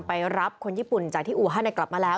ไปรับคนญี่ปุ่นจากที่อูฮันกลับมาแล้ว